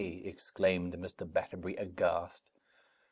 exclaimed Mr. Batterbury, aghast.